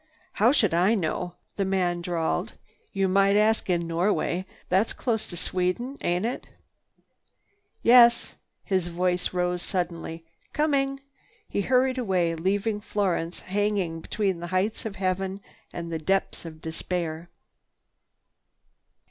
"How should I know?" the man drawled. "You might ask in Norway. That's close to Sweden, ain't it? "Yes!" His voice rose suddenly. "Coming!" He hurried away, leaving Florence hanging between the heights of heaven and the depths of despair.